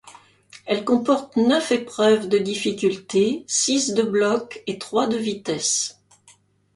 Elle comporte neuf épreuves de difficulté, six de bloc et trois de vitesse.